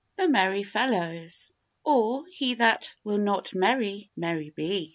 THE MERRY FELLOWS; OR, HE THAT WILL NOT MERRY, MERRY BE.